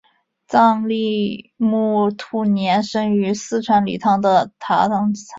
藏历木兔年生于四川理塘的达仓家。